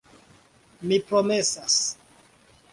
Mi promesas.